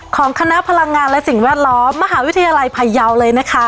ของคณะพลังงานและสิ่งแวดล้อมมหาวิทยาลัยพายาวเลยนะคะ